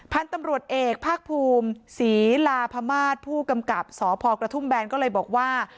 พันธุ์ตำรวจเอกภาคภูมิศรีลาพมาศผู้กำกับสพกระทุ่มแบนก็เลยบอกว่า